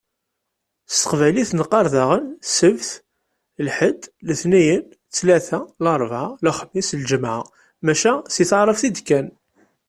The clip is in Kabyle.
S teqbaylit neqqaṛ daɣen: Sebt, lḥed, letniyen, ttlata, larbɛa, lexmis, lǧemɛa. Maca si taɛrabt i d-kkan.